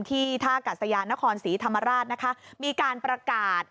ที่ท่ากัสยานครศรีธรรมราชนะคะมีการประกาศ